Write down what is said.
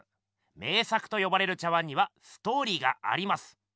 名作とよばれる茶碗にはストーリーがあります。